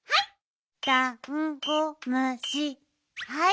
はい！